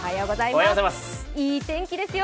いい天気ですよ。